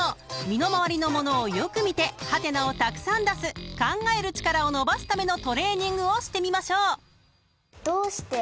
［身の回りのものをよく見てハテナをたくさん出す考える力を伸ばすためのトレーニングをしてみましょう］